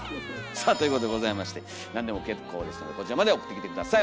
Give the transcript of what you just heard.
さあということでございまして何でも結構ですのでこちらまで送ってきて下さい。